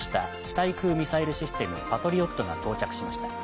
対空ミサイルシステムパトリオットが到着しました。